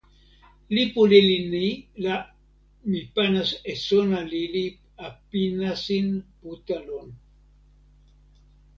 lipu lili ni la mi pana e sona lili a pi nasin Puta lon.